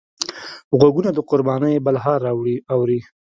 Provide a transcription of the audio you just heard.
غوږونه د قربانۍ بلهار اوري